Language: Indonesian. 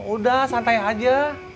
udah santai aja